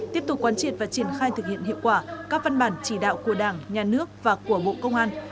tiếp tục quan triệt và triển khai thực hiện hiệu quả các văn bản chỉ đạo của đảng nhà nước và của bộ công an